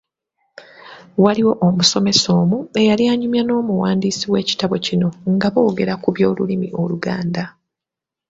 Waliwo omusomesa omu eyali anyumya n’omuwandiisi w’ekitabo kino nga boogera ku by’Olulimi Oluganda